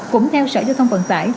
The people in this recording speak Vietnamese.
cũng theo sở giao thông vận tải